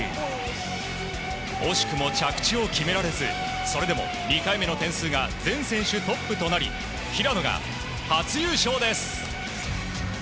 惜しくも着地を決められずそれでも２回目の点数が全選手トップとなり平野が初優勝です！